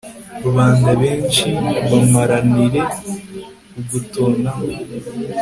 rubanda benshi bamaranire kugutonaho